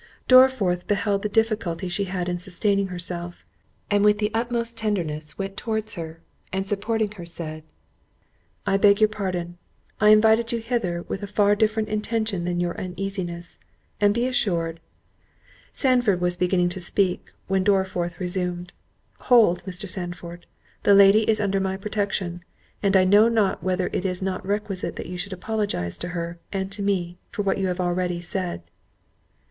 Dorriforth beheld the difficulty she had in sustaining herself, and with the utmost tenderness went towards her, and supporting her, said, "I beg your pardon—I invited you hither with a far different intention than your uneasiness, and be assured——" Sandford was beginning to speak, when Dorriforth resumed,—"Hold, Mr. Sandford, the lady is under my protection, and I know not whether it is not requisite that you should apologize to her, and to me, for what you have already said."